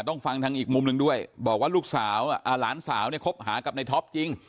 ต้องฟังทางอีกมุมด้วยบอกว่าหลานสาวคบหากับในท็อปจริง